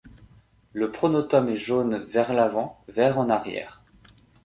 Le pronotum est jaune vers l'avant, vert en arrière.